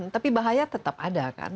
tapi bahaya tetap ada kan